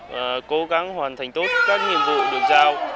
và cố gắng hoàn thành tốt các nhiệm vụ được giao